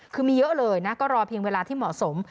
คือมีเยอะเลยนะก็รอเพียงเวลาที่เหมาะสม